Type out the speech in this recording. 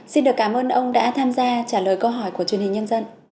xin được cảm ơn ông đã tham gia trả lời câu hỏi của truyền hình nhân dân